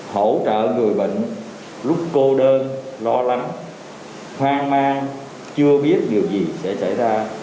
hỗ trợ người bệnh lúc cô đơn lo lắng hoang mang chưa biết điều gì sẽ xảy ra